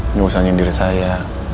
nggak usah nyindir saya